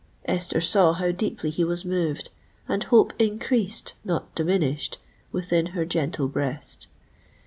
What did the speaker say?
Esther saw how deeply he was moved: and hope increased—not diminished—within her gentle breast.